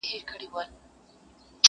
لکه ما چي خپل سکه وروڼه وژلي؛